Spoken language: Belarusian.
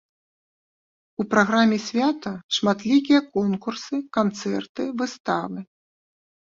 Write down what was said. У праграме свята шматлікія конкурсы, канцэрты, выставы.